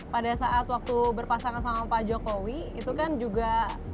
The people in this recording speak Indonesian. pada saat waktu berpasangan sama pak jokowi itu kan juga